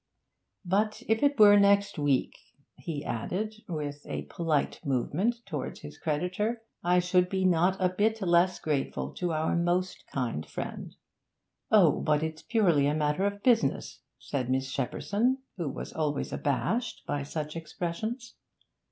'But if it were next week,' he added, with a polite movement towards his creditor, 'I should be not a bit the less grateful to our most kind friend.' 'Oh, but it's purely a matter of business,' said Miss Shepperson, who was always abashed by such expressions.